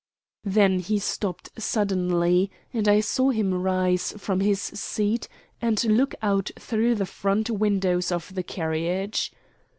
Then he stopped suddenly, and I saw him rise from his seat and look out through the front windows of the carriage.